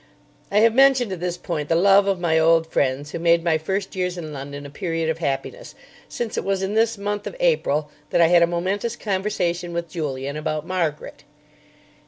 I have mentioned at this point the love of my old friends who made my first years in London a period of happiness, since it was in this month of April that I had a momentous conversation with Julian about Margaret.